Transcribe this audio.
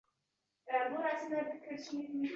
Televizor qiblagohda — Zaynab momoni chap tarafida bo‘ldi.